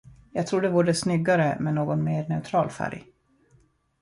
Jag tror det vore snyggare med någon mer neutral färg.